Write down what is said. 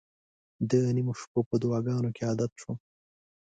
د نیمو شپو په دعاګانو عادت شوم.